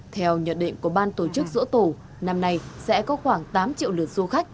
theo nhận định của ban tổ chức dỗ tổ năm nay sẽ có khoảng tám triệu lượt du khách